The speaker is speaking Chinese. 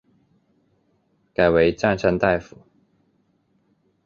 改为赞善大夫。